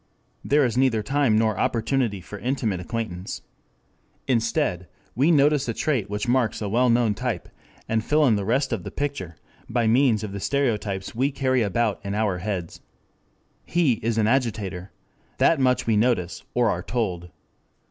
There is neither time nor opportunity for intimate acquaintance. Instead we notice a trait which marks a well known type, and fill in the rest of the picture by means of the stereotypes we carry about in our heads. He is an agitator. That much we notice, or are told.